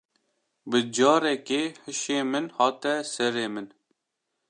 Bi carekê hişê min hate serê min.